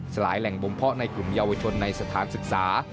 ลายแหล่งบมเพาะในกลุ่มเยาวชนในสถานศึกษา